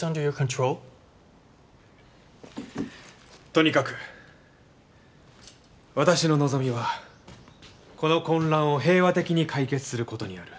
とにかく私の望みはこの混乱を平和的に解決することにある。